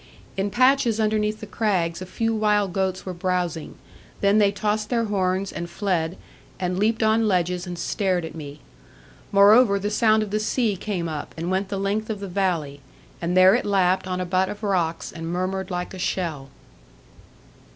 In patches underneath the crags, a few wild goats were browsing; then they tossed their horns, and fled, and leaped on ledges, and stared at me. Moreover, the sound of the sea came up, and went the length of the valley, and there it lapped on a butt of rocks, and murmured like a shell.